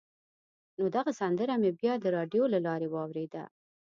نو دغه سندره مې بیا د راډیو له لارې واورېده.